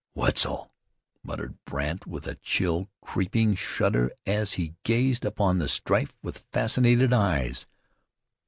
"Wetzel!" muttered Brandt, with a chill, creeping shudder as he gazed upon the strife with fascinated eyes.